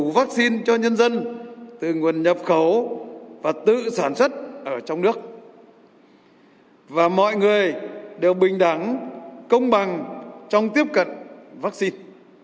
và mọi người đều bình đẳng công bằng trong tiếp cận vaccine